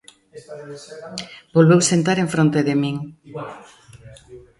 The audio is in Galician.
Volveu sentar en fronte de min.